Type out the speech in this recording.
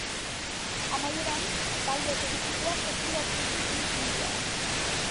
Amaieran, talde perikitoak eskuratu ditu hiru puntuak.